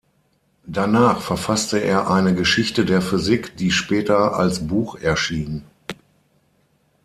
Danach verfasste er eine "Geschichte der Physik", die später als Buch erschien.